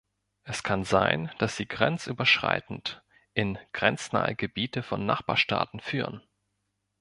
Es kann sein, dass sie grenzüberschreitend in grenznahe Gebiete von Nachbarstaaten führen.